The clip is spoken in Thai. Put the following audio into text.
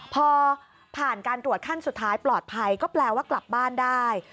พอผ่านการตรวจขั้นสุดท้ายปลอดภัยก็แปลว่ากลับบ้านได้